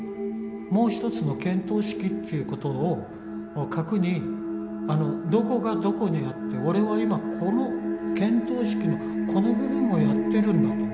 もう一つの見当識ということを核にどこがどこにあって俺は今この見当識のこの部分をやってるんだと。